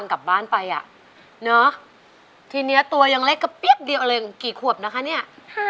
๕ขวบนี่เรียนชั้นอะไรได้บ้างเนี่ย